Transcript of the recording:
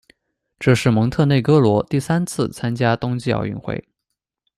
这是蒙特内哥罗第三次参加冬季奥运会。